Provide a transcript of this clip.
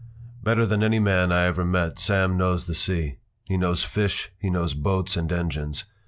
Better than any man I ever met Sam knows the sea; he knows fish, he knows boats and engines.